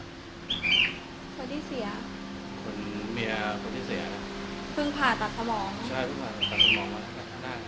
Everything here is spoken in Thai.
เมียคนที่เสีย